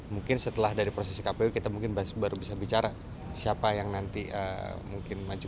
mungkin setelah dari prosesi kpu kita mungkin baru bisa bicara siapa yang nanti mungkin maju